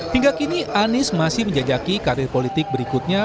hingga kini anies masih menjajaki karir politik berikutnya